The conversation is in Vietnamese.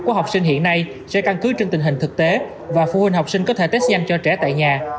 của học sinh hiện nay sẽ căn cứ trên tình hình thực tế và phụ huynh học sinh có thể test nhanh cho trẻ tại nhà